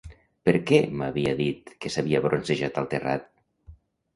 Per què m'havia dit que s'havia bronzejat al terrat?